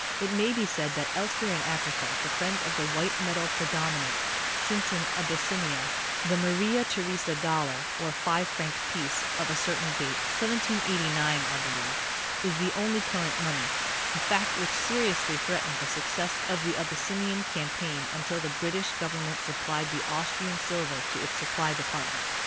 It may be said that elsewhere in Africa the friends of the white metal predominate, since in Abyssinia the Maria Theresa dollar (or five frane piece) of a certain date—1789, I belieye—is the only current money, a fact which seriously threatened the success of the Abyssinian campaign until the British government supplied Austrian silver to its supply department.